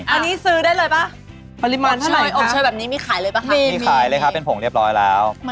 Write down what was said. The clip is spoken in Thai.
อันนี้ซื้อได้เลยป่ะ